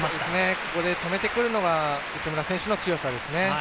ここで止めてくるのが内村選手の強さですね。